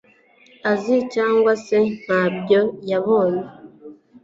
azi cyangwa se nta byo yabonye